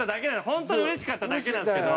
本当にうれしかっただけなんですけど。